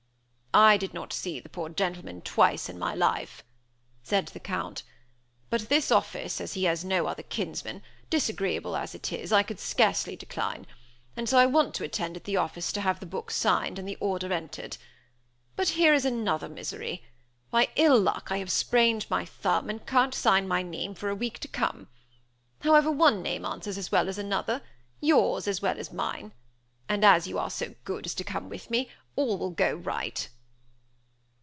"I did not see the poor gentleman twice in my life," said the Count, "but this office, as he has no other kinsman, disagreeable as it is, I could scarcely decline, and so I want to attend at the office to have the book signed, and the order entered. But here is another misery. By ill luck I have sprained my thumb, and can't sign my name for a week to come. However, one name answers as well as another. Yours as well as mine. And as you are so good as to come with me, all will go right."